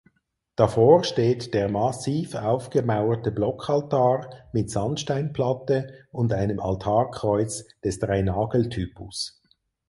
Davor steht der massiv aufgemauerte Blockaltar mit Sandsteinplatte und einem Altarkreuz des Dreinageltypus.